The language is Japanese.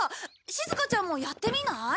しずかちゃんもやってみない？